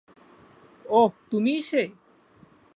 ওহ, তুমিই সে?